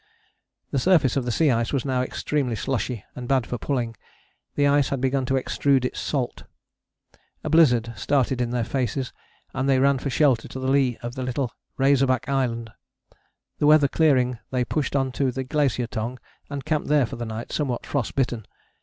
The surface of the sea ice was now extremely slushy and bad for pulling; the ice had begun to extrude its salt. A blizzard started in their faces, and they ran for shelter to the lee of Little Razorback Island. The weather clearing they pushed on to the Glacier Tongue, and camped there for the night somewhat frost bitten.